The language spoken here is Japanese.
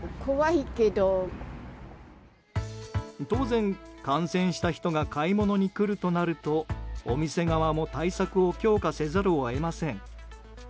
当然、感染した人が買い物に来るとなるとお店側も対策を強化せざるを得ません。